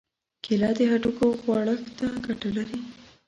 کېله د هډوکو غوړښت ته ګټه لري.